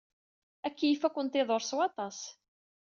Akeyyef ad kent-iḍurr s waṭas.